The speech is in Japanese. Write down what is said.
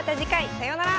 さようなら。